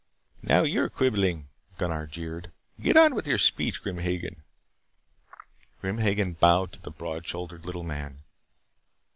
"Now, you're quibbling," Gunnar jeered. "Get on with your speech, Grim Hagen." Grim Hagen bowed to the broad shouldered little man.